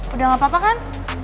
udah gak apa apa kan